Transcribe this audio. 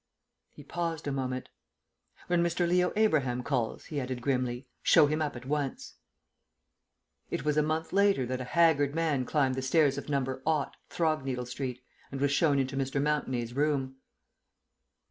He paused a moment. "When Mr. Leo Abraham calls," he added grimly, "show him up at once." It was a month later that a haggard man climbed the stairs of No. Throgneedle Street, and was shown into Mr. Mountenay's room.